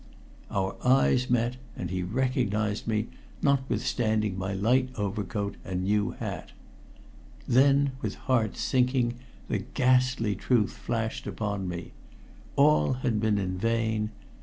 Our eyes met, and he recognized me, notwithstanding my light overcoat and new hat. Then, with heart sinking, the ghastly truth flashed upon me. All had been in vain.